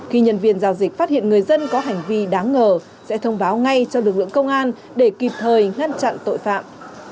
khi nhân viên giao dịch phát hiện người dân có hành vi đáng ngờ sẽ thông báo ngay cho lực lượng công an để kịp thời ngăn chặn tội phạm